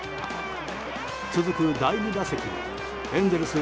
続く第２打席はエンゼルス